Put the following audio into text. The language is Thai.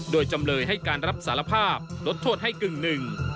โดยจำเลยให้การรับสารภาพลดโทษให้กึ่งหนึ่ง